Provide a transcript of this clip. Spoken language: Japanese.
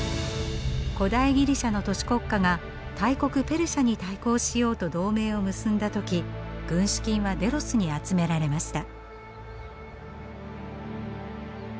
古代ギリシャの都市国家が大国ペルシャに対抗しようと同盟を結んだ時軍資金はデロスに集められました。